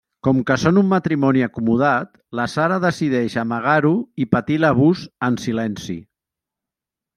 Com que són un matrimoni acomodat, la Sara decideix amagar-ho i patir l'abús en silenci.